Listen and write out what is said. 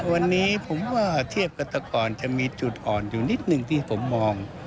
วันนี้ผมว่าเทียบกับแต่ก่อนจะมีจุดอ่อนอยู่นิดหนึ่งที่ผมมอง